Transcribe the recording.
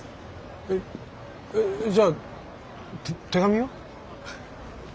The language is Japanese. えっじゃあ手紙は？